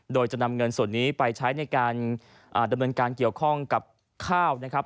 โดยจะนำเงินส่วนนี้ไปใช้ในการดำเนินการเกี่ยวข้องกับข้าวนะครับ